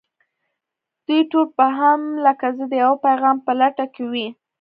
دوی ټول به هم لکه زه د يوه پيغام په لټه کې وي.